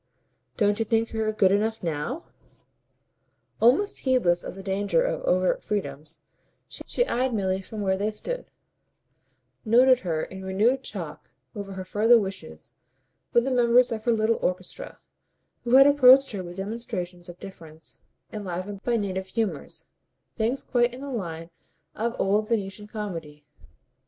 "Don't you think her good enough NOW?" Almost heedless of the danger of overt freedoms, she eyed Milly from where they stood, noted her in renewed talk, over her further wishes, with the members of her little orchestra, who had approached her with demonstrations of deference enlivened by native humours things quite in the line of old Venetian comedy.